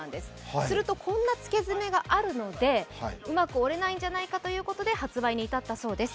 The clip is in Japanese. すると、こんなつけ爪があるので、うまく折れないんじゃないかといことで発売に至ったそうです。